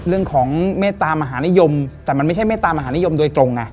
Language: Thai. เรื่องของเมตตามหานิยมแต่มันไม่ใช่เมตตามหานิยมโดยตรงไง